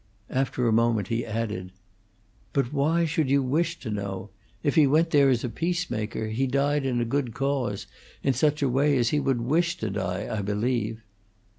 After a moment he added: "But why should you wish to know? If he went there as a peacemaker, he died in a good cause, in such a way as he would wish to die, I believe."